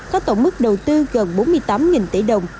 có tổng mức đầu tư gần bốn mươi tám tỷ đồng